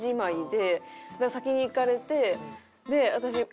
先に行かれて。